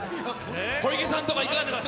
小池さんとか、いかがですか？